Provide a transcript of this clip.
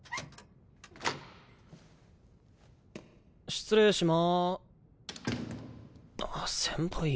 失礼しま。